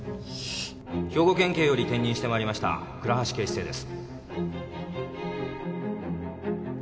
兵庫県警より転任して参りました倉橋警視正です。